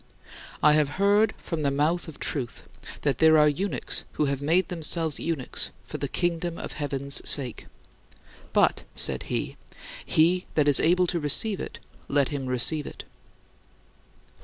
I had heard from the mouth of Truth that "there are eunuchs who have made themselves eunuchs for the Kingdom of Heaven's sake" but, said he, "He that is able to receive it, let him receive it."